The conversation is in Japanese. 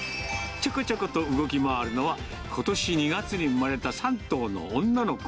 ちょこちょこと動き回るのは、ことし２月に産まれた３頭の女の子。